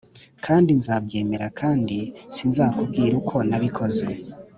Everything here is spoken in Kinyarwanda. kandi nzabyemera kandi sinzakubwira uko nabikoze